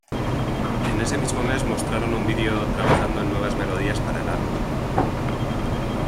En ese mismo mes, mostraron un video trabajando en nuevas melodías para el álbum.